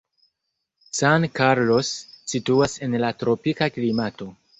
San Carlos situas en la tropika klimato.